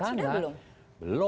memindahkan sudah belum